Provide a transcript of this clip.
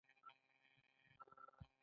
کله به چې بزګرانو بوټان او جامې غوښتلې.